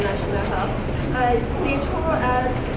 เพราะว่าพวกมันต้องรักษาอินเตอร์